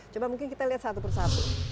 coba mungkin kita lihat satu per satu